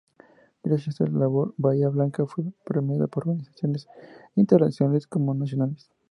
Gracias a esta labor Bahía Blanca fue premiado por organizaciones internacionales como nacionales.